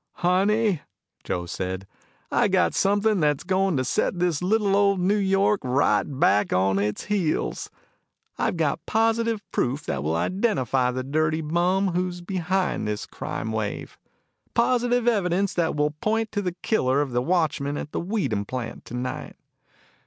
"Honey," Joe said, "I got something that's going to set little old New York right back on its heels. I've got positive proof that will identify the dirty bum who's behind this crime wave. Positive evidence that will point to the killer of that watchman at the Weedham plant tonight."